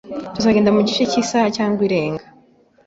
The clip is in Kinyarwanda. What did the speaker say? Tuzagenda mugice cyisaha cyangwa irenga.